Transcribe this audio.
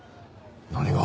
何が？